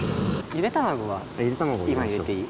ゆで卵は今入れていい？